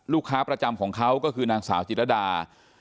ลูกค้าประจำของเขาก็คือนางสาวจิตรดา